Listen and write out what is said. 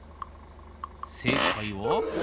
せいかいは。